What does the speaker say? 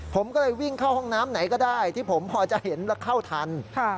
ผมก็เลยวิ่งเข้าห้องน้ำไหนก็ได้ที่ผมพอจะเห็นแล้วเข้าทัน